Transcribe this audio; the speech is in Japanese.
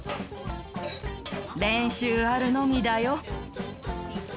練習あるのみだよ！